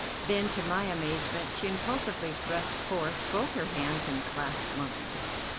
Then, to my amazement, she impulsively thrust forth both her hands and clasped mine.